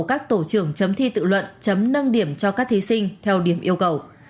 các tổ trưởng chấm thi tự luận chấm nâng điểm cho các thí sinh theo điểm yêu cầu